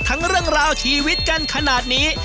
เรื่องราวชีวิตกันขนาดนี้